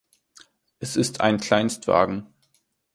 Es ist ein Kleinstwagen.